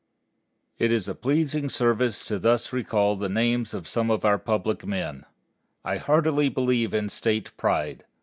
It is a pleasing service to thus recall the names of some of our public men. I heartily believe in State pride.